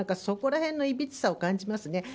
そこら辺のいびつさを感じますね。